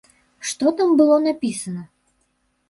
Што там было напісана?